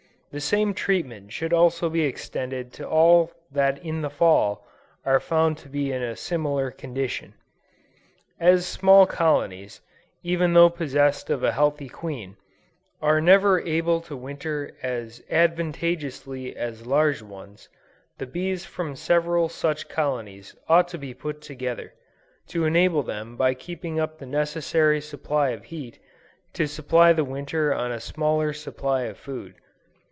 The same treatment should also be extended to all that in the Fall, are found to be in a similar condition. As small colonies, even though possessed of a healthy queen, are never able to winter as advantageously as large ones, the bees from several such colonies ought to be put together, to enable them by keeping up the necessary supply of heat, to survive the Winter on a smaller supply of food.